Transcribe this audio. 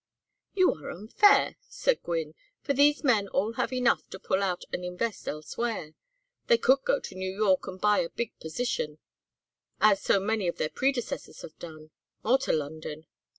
"You are unfair," said Gwynne; "for these men all have enough to pull out and invest elsewhere. They could go to New York and buy a big position, as so many of their predecessors have done. Or to London.